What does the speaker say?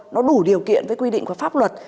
nó đủ điều kiện với quy định của pháp luật